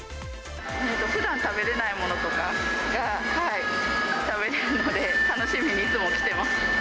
ふだん食べれないものとかが食べれるので、楽しみにいつも来てます。